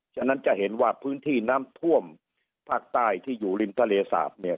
ฉะนั้นจะเห็นว่าพื้นที่น้ำท่วมภาคใต้ที่อยู่ริมทะเลสาปเนี่ย